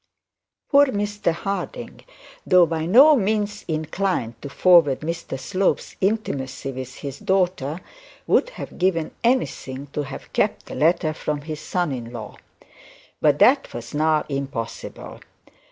Poor Mr Harding, though by no means inclined to forward Mr Slope's intimacy with his daughter, would have given anything to have kept the letter from his son in law. But that was now impossible.